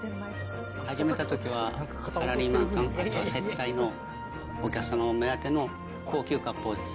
始めたときは、サラリーマンさん、あと接待のお客さんを目当ての高級割烹です。